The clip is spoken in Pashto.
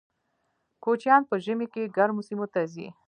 کوچیان په ژمي کې ګرمو سیمو ته ځي